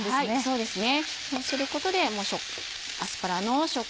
そうですね。